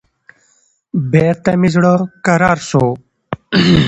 بېرته مې زړه کرار سو.